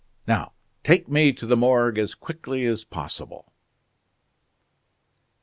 Now take me to the Morgue as quickly as possible."